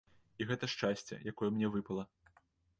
І гэта шчасце, якое мне выпала.